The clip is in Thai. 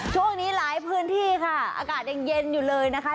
ช่วงนี้หลายพื้นที่ค่ะอากาศยังเย็นอยู่เลยนะคะ